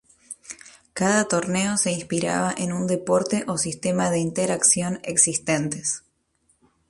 Cada Torneo se inspiraba en un deporte o sistema de interacción existentes.